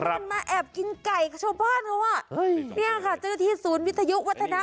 มันมาแอบกินไก่ช่วงบ้านเขาว่าเนี่ยค่ะจะได้ที่ศูนย์วิทยุวัฒนา